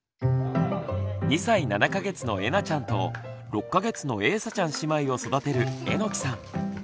２歳７か月のえなちゃんと６か月のえいさちゃん姉妹を育てる榎さん。